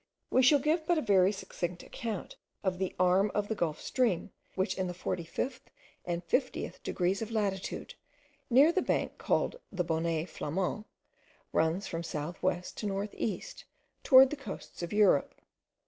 We shall give but a very succinct account of the arm of the Gulf stream, which in the 45th and 50th degrees of latitude, near the bank called the Bonnet Flamand, runs from south west to north east towards the coasts of Europe.